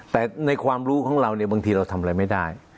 แต่ในความรู้ของเราเนี่ยบางทีเราทำอะไรไม่ได้